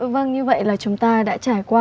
vâng như vậy là chúng ta đã trải qua